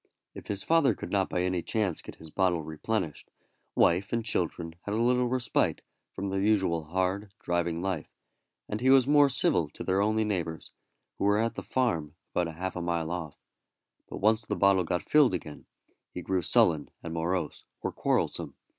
If his father could not by any chance get his bottle replenished, wife and children had a little respite from their usual hard, driving life, and he was more civil to their only neighbours, who were at the farm about half a mile off; but once the bottle got filled again, he grew sullen and morose, or quarrelsome.